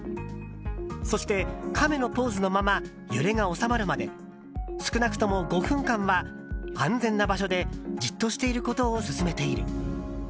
そして、かめのポーズのまま揺れが収まるまで少なくとも５分間は安全な場所でじっとしていることを勧めている。